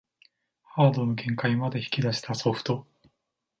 ハードの限界まで引き出したソフト